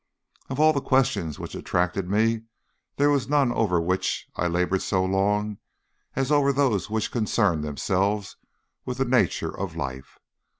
"Of all the questions which attracted me there were none over which I laboured so long as over those which concern themselves with the nature of life.